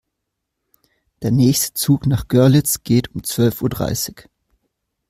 Der nächste Zug nach Görlitz geht um zwölf Uhr dreißig